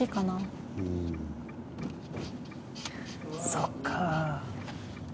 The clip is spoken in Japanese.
そっか。